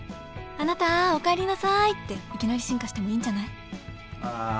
「あなたおかえりなさい」っていきなり進化してもいいんじゃない？